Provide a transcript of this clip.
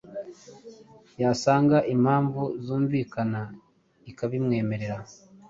yasanga impamvu zumvikana ikabirwemerera”.